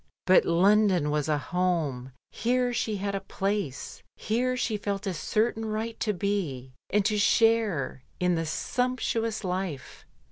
But London was a home, here she had a place, here she felt a certain right to be and to a share in the sumptuous life.